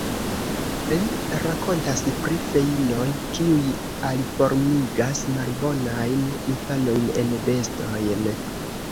Li rakontas pri feinoj, kiuj aliformigas malbonajn infanojn en bestojn.